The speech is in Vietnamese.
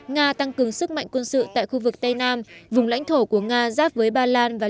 nga tăng cường sức mạnh quân sự tại khu vực tây nam vùng lãnh thổ của nga giáp với ba lan và